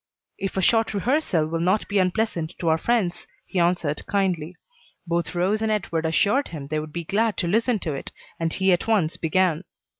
"If a short rehearsal will not be unpleasant to our friends," he answered kindly. Both Rose and Edward assured him they would be glad to listen to it, and he at once began.